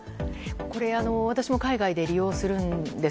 これ、私も海外で利用するんです。